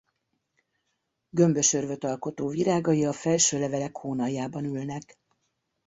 Gömbös örvöt alkotó virágai a felső levelek hónaljában ülnek.